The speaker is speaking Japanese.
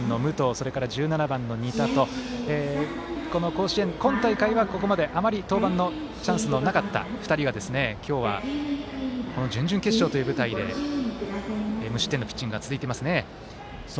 それから、１７番の仁田とこの甲子園、今大会はここまであまり登板のチャンスがなかった２人が、今日は準々決勝という舞台で無失点のピッチングが続いていますね。